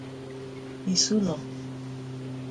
Isulọ